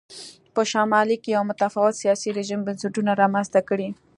په شمال کې یو متفاوت سیاسي رژیم بنسټونه رامنځته کړي.